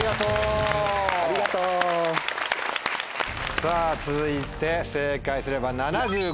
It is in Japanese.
さぁ続いて正解すれば７５万円です。